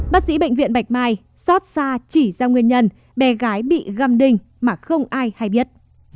bác sĩ bệnh viện bạch mai xót xa chỉ ra nguyên nhân bé gái bị găm đình mà không ai hay biết